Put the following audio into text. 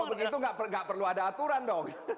kalau begitu nggak perlu ada aturan dong